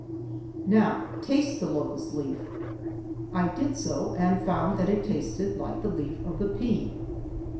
Now taste the locust leaf." I did so and found that it tasted like the leaf of the pea.